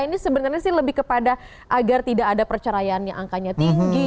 ini sebenarnya sih lebih kepada agar tidak ada perceraian yang angkanya tinggi